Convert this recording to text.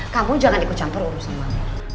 kamu jangan ikut campur urusan mama